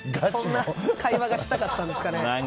そんな会話がしたかったんですかね。